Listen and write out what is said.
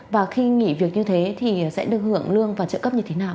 và khi nghỉ việc như thế thì sẽ được hưởng lương và trợ cấp như thế nào